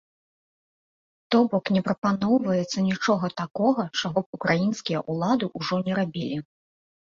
То бок не прапаноўваецца нічога такога, чаго б украінскія ўлады ўжо не рабілі.